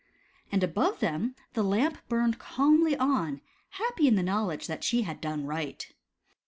And above them the Lamp burned calmly on, happy in the knowl edge that she had done right.